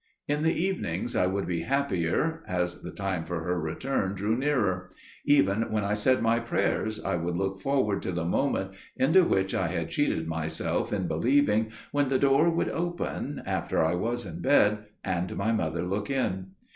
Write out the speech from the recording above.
In the evenings I would be happier, as the time for her return drew nearer; even when I said my prayers I would look forward to the moment, into which I had cheated myself in believing, when the door would open, after I was in bed, and my mother look in.